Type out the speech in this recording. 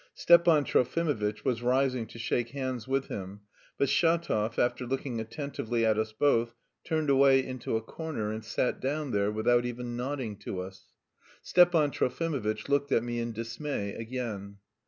Stepan Trofimovitch was rising to shake hands with him, but Shatov, after looking attentively at us both, turned away into a corner, and sat down there without even nodding to us. Stepan Trofimovitch looked at me in dismay again.